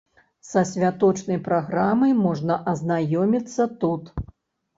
Са святочнай праграмай можна азнаёміцца тут.